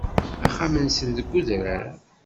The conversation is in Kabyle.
Axxam-nsen deg udrar.